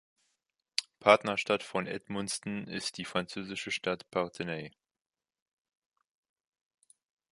Partnerstadt von Edmundston ist die französische Stadt Parthenay.